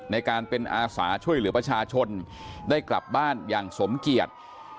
ในการเป็นอาสาช่วยเหลือประชาชนได้กลับบ้านอย่างสมเกียจ